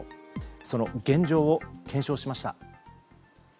その現状を検証しました。